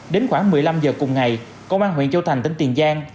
đến khoảng một mươi năm giờ cùng ngày công an huyện châu thành tỉnh tiền giang